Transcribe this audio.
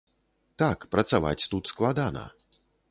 Так, працаваць тут складана.